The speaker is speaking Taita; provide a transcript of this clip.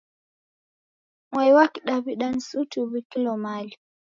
Mwa wa Kidaw'ida ni suti uw'ikilo mali.